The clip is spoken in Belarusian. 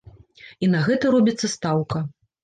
І на гэта робіцца стаўка.